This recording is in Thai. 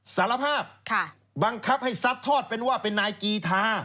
สารภาพบังคับให้ซัดทอดเป็นว่าเป็นนายกีธา